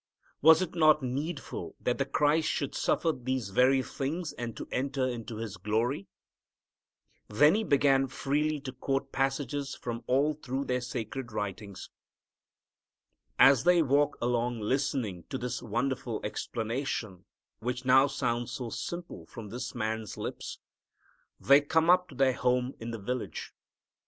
Was it not needful that the Christ should suffer these very things and to enter into His glory?" Then He began freely to quote passages from all through their sacred writings. As they walk along listening to this wonderful explanation, which now sounds so simple from this Man's lips, they come up to their home in the village.